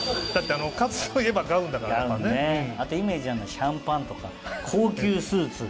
あとイメージあるのはシャンパンとか高級スーツ。